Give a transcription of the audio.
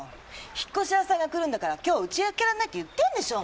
引っ越し屋さんが来るんだから今日は家空けらんないって言ってるでしょ